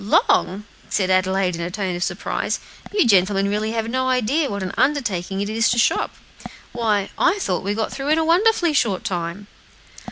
"Long!" said Adelaide, in a tone of surprise, "you gentlemen really have no idea what an undertaking it is to shop. Why, I thought we got through in a wonderfully short time."